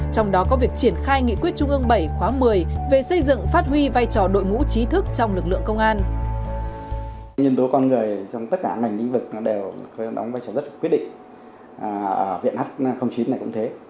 trong đó có việc triển khai nghị quyết trung ương bảy khóa một mươi về xây dựng phát huy vai trò đội ngũ trí thức trong lực lượng công an